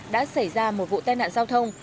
đã xảy ra một vụ tai nạn giao thông